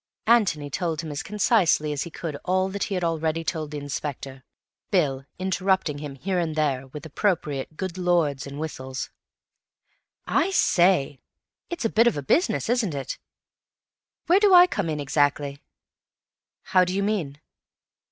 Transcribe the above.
Antony told him as concisely as he could all that he had already told the Inspector, Bill interrupting him here and there with appropriate "Good Lords" and whistles. "I say, it's a bit of a business, isn't it? Where do I come in, exactly?" "How do you mean?"